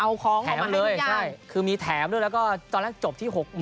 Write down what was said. เอาของออกมาเลยใช่คือมีแถมด้วยแล้วก็ตอนแรกจบที่๖๐๐๐